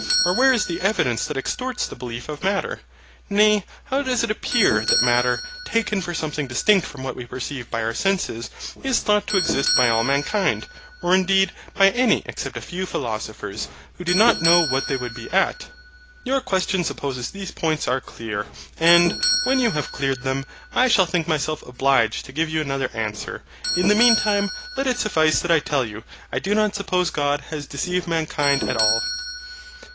or where is the evidence that extorts the belief of Matter? Nay, how does it appear, that Matter, TAKEN FOR SOMETHING DISTINCT FROM WHAT WE PERCEIVE BY OUR SENSES, is thought to exist by all mankind; or indeed, by any except a few philosophers, who do not know what they would be at? Your question supposes these points are clear; and, when you have cleared them, I shall think myself obliged to give you another answer. In the meantime, let it suffice that I tell you, I do not suppose God has deceived mankind at all.